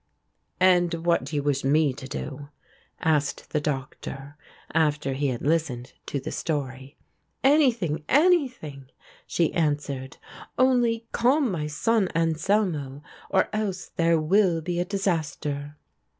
"And what do you wish me to do?" asked the Doctor, after he had listened to the story. "Anything, anything," she answered, "only calm my son Anselmo or else there will be a disaster."